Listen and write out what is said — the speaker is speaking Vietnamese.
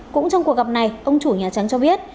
cũng trong cuộc gặp này ông chủ nhà trắng cho biết